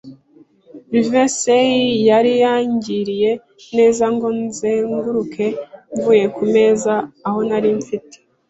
Livesey yari yangiriye neza ngo nzenguruke mvuye ku meza, aho nari mfite